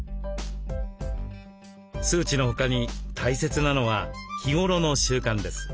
数値の他に大切なのは日頃の習慣です。